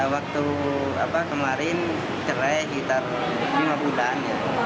waktu kemarin cerai sekitar lima bulan